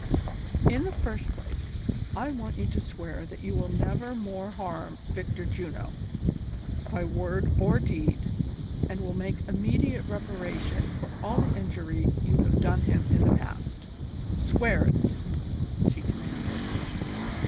" In the first place, I want you to swear that you will never more harm Victor Juno, by word or deed, and will make immediate reparation for all the injury you have done him in the past. Swear it !" she commanded.